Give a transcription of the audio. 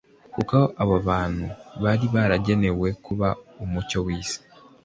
kuko abo bantu bari baragenewe kuba umucyo w'isi.